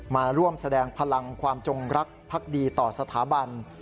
มาร่วมแสดงพลังความจงรักภักดีต่อสถาบัน